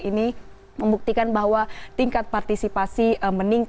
ini membuktikan bahwa tingkat partisipasi meningkat